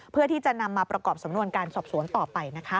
เพื่อที่จะนำมาประกอบสำนวนการสอบสวนต่อไปนะคะ